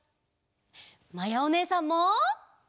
まやおねえさんも！